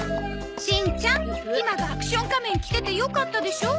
しんちゃんひまがアクション仮面着ててよかったでしょ？